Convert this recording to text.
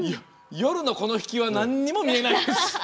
夜のこの引きは何も見えないです。